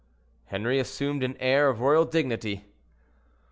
Henri assumed an air of royal dignity.